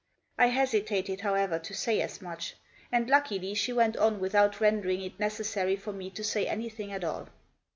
I hesitated, however, to say as much ; and luckily she went on without rendering it necessary for me to say anything at all.